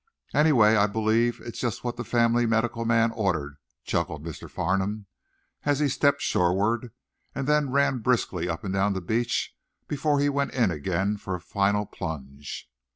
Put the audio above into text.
"Anyway, I believe it's just what the family medical man ordered," chuckled Mr. Farnum, as he stepped shoreward, then ran briskly up and down the beach before he went in again for a final plunge.